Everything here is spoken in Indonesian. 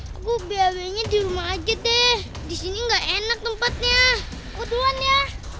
lagu bw nya di rumah aja deh di sini enggak enak tempatnya utuhannya